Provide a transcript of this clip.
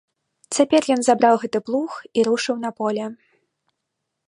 Цяпер ён забраў гэты плуг і рушыў на поле.